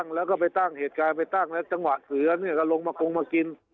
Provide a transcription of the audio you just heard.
แล้วก็ไปตั้งเหตุการณ์จังหวะเสือลงมากงมากิน